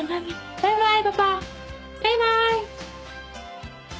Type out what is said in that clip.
バイバーイ！